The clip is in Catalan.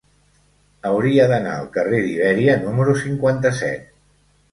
Hauria d'anar al carrer d'Ibèria número cinquanta-set.